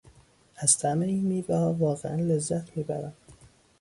از طعم این میوهها واقعا لذت میبرم.